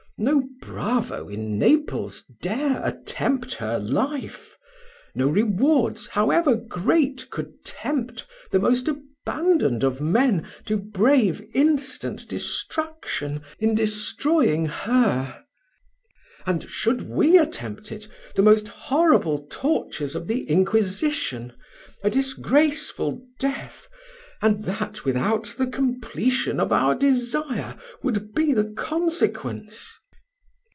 No bravo in Naples dare attempt her life: no rewards, however great, could tempt the most abandoned of men to brave instant destruction, in destroying her; and should we attempt it, the most horrible tortures of the Inquisition, a disgraceful death, and that without the completion of our desire, would be the consequence."